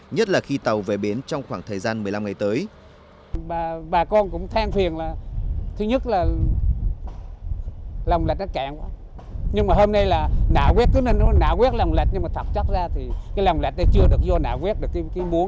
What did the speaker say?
nhất là khi tàu về bến trong khoảng thời gian một mươi năm ngày tới